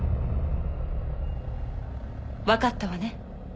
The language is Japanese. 分かったわね？